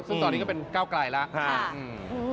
ซึ่งตอนนี้ก็เป็นก้าวไกลแล้ว